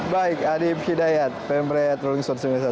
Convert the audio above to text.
baik adib hidayat pm red rolling stones indonesia